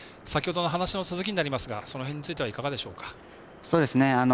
先ほどの話の続きになりますがその辺についてはいかがでしょうか。